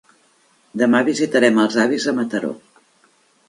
Demà visitarem els avis a Mataró.